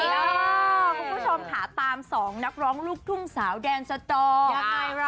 คุณผู้ชมขาตาม๒นักร้องลูกทุ่มสาวแดนสตอร์